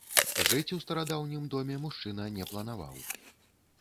Жыць у старадаўнім доме мужчына не планаваў.